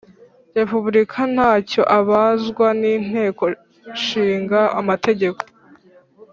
Repubulika nta cyo abazwa n inteko ishinga amategeko